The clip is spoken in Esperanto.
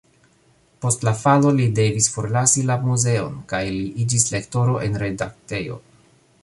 Post la falo li devis forlasi la muzeon kaj li iĝis lektoro en redaktejo.